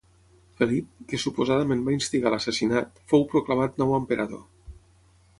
Felip, que suposadament va instigar l'assassinat, fou proclamat nou emperador.